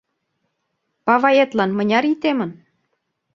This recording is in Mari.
— Паваетлан мыняр ий темын?